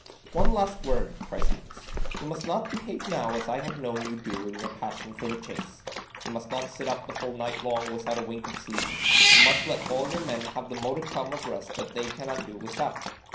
One last word, Chrysantas: you must not behave now as I have known you do in your passion for the chase: you must not sit up the whole night long without a wink of sleep, you must let all your men have the modicum of rest that they cannot do without.